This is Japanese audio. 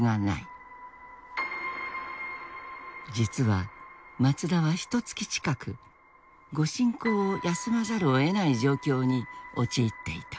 実は松田はひとつき近く御進講を休まざるをえない状況に陥っていた。